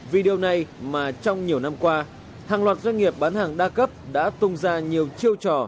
vì điều này mà trong nhiều năm qua hàng loạt doanh nghiệp bán hàng đa cấp đã tung ra nhiều chiêu trò